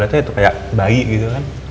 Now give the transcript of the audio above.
itu kayak bayi gitu kan